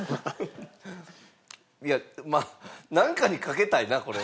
いやまあ何かにかけたいなこれは。